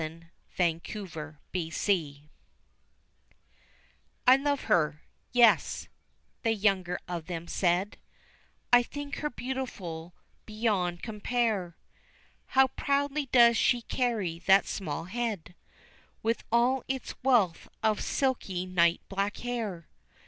] Love's Humility "I love her, yes," the younger of them said, "I think her beautiful beyond compare; How proudly does she carry that small head, With all its wealth of silky night black hair?